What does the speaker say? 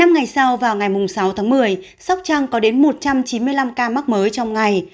một mươi ngày sau vào ngày sáu tháng một mươi sóc trăng có đến một trăm chín mươi năm ca mắc mới trong ngày